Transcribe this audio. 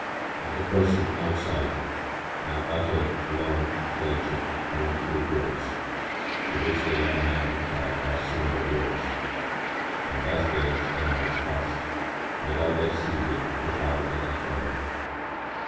But the person outside now uttered long, plaintive, mournful groans, to which the young man replied by similar groans, and thus days and nights passed without their ceasing to howl at each other.